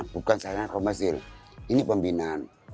bukan sarana komersil ini pembinaan